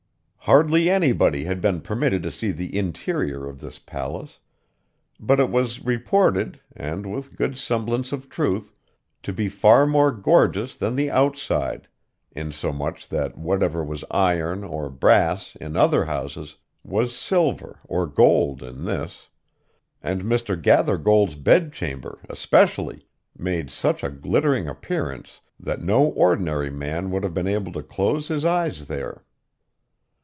Hardly anybody had been permitted to see the interior of this palace; but it was reported, and with good semblance of truth, to be far more gorgeous than the outside, insomuch that whatever was iron or brass in other houses was silver or gold in this; and Mr. Gathergold's bedchamber, especially, made such a glittering appearance that no ordinary man would have been able to close his eyes there.